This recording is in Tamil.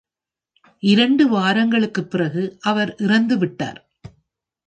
இரண்டு வாரங்களுக்குப் பிறகு, அவர் இறந்து விட்டார்.